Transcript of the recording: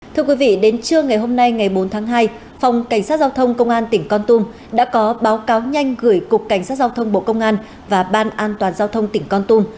thưa quý vị đến trưa ngày hôm nay ngày bốn tháng hai phòng cảnh sát giao thông công an tỉnh con tum đã có báo cáo nhanh gửi cục cảnh sát giao thông bộ công an và ban an toàn giao thông tỉnh con tum